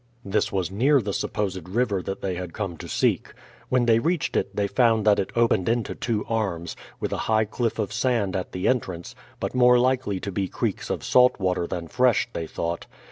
This was near the supposed river that they had come to seek. When they reached it, they found that it opened into two arms, with a high cliff of sand at the entrance, but more likely to be creeks of salt water than fresh, they thought.